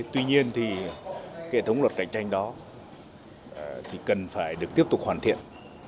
tuy nhiên thì hệ thống luật cạnh tranh đó thì cần phải được tiếp tục hoàn thiện